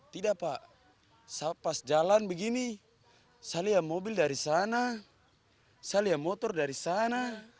tidak pak pas jalan begini saya lihat mobil dari sana saya lihat motor dari sana